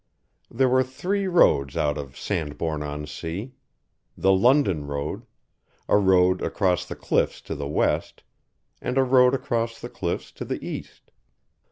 There were three roads out of Sandbourne on Sea; the London road; a road across the cliffs to the west; and a road across the cliffs to the east.